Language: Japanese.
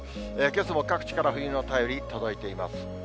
けさも各地から冬の便り、届いています。